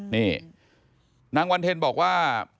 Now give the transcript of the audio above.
นี่นางวันเทนบอกว่า